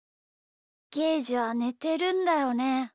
ゲージはねてるんだよね？